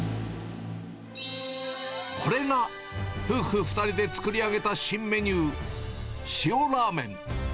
これが夫婦２人で作り上げた新メニュー、塩ラーメン。